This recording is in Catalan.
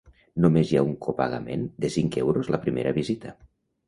Només hi ha un copagament de cinc euros la primera visita.